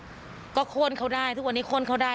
สถานการณ์ปัจจุบันทำให้หนูยิ่งยันคำตอบในใจหนูก็จะไม่มี